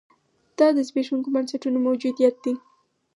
دا د زبېښونکو بنسټونو موجودیت دی.